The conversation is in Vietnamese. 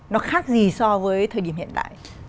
nó khác gì so với thời điểm hiện tại